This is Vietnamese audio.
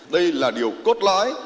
đây là điều cốt lõi